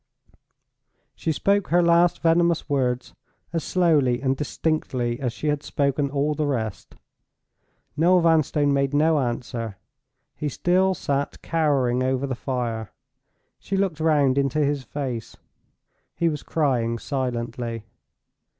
She spoke her last venomous words as slowly and distinctly as she had spoken all the rest. Noel Vanstone made no answer—he still sat cowering over the fire. She looked round into his face. He was crying silently.